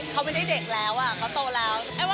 เขาไม่ได้เด็กแล้วเขาโตแล้ว